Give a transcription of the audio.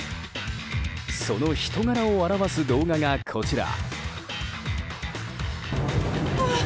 その人柄を表す動画がこちら。